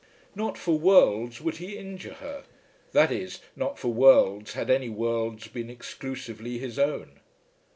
Not for worlds would he injure her; that is, not for worlds, had any worlds been exclusively his own.